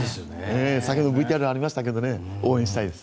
先ほど、ＶＴＲありましたけど応援したいです。